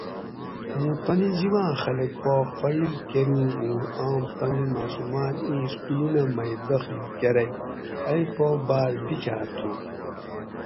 مُوں تانی جِباۤں خلک پا قایٔل کۤروگ اُوں آم تانی ماۤسُوماۤن اِیں اِسکولونہ مئ داخیل کۤرئ ائ پا باۤر بِکھاۤر تھُو